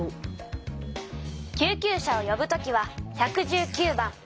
救急車をよぶときは１１９番。